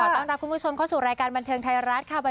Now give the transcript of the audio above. ต้อนรับคุณผู้ชมเข้าสู่รายการบันเทิงไทยรัฐค่ะ